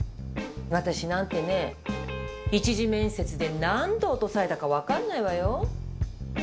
私なんてねぇ一次面接で何度落とされたか分かんないわよ。